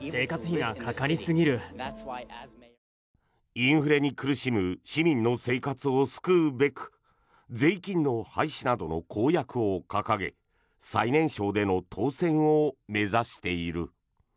インフレに苦しむ市民の生活を救うべく税金の廃止などを公約を掲げ最年少での当選を目指している。